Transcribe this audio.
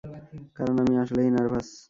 কারণ আমি আসলেই নার্ভাস।